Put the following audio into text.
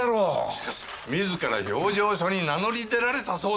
しかし自ら評定所に名乗り出られたそうで。